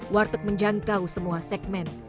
warteg menjangkau semua segmen